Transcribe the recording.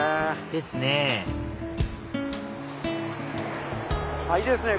ですねいいですね